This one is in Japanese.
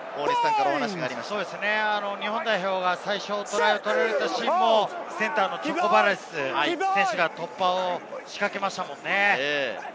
日本代表が最初にトライを取られたシーンもセンターのチョコバレス選手が突破を仕掛けましたものね。